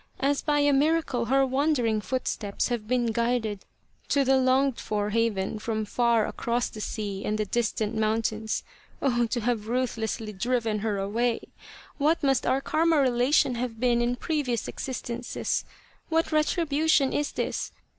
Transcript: As by a miracle her wandering footsteps have been guided to the longed for haven from far across the sea and the distant mountains. Oh, to have ruthlessly driven her away ! What must our Karma relation have been in previous existences ! What retribution is this !